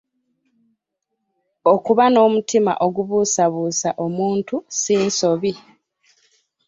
Okuba n’omutima ogubuusabuusa omuntu si nsobi.